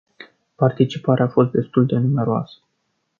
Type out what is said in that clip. Participarea a fost destul de numeroasă.